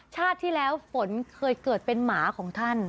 ชาติที่แล้วฝนเคยเกิดเป็นหมาของท่าน